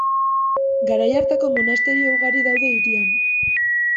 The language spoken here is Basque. Garai hartako monasterio ugari daude hirian.